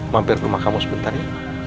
mampir rumah kamu sebentar ya